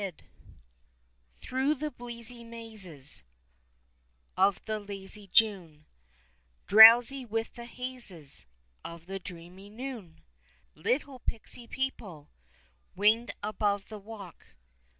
123 Througli the breezy mazes Of the lazy June, Drowsy with the liazes Of the dreamy noon, Little Pixy people Winged above the walk.